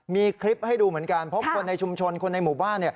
มีคลิปให้ดูเหมือนกันเพราะคนในชุมชนคนในหมู่บ้าน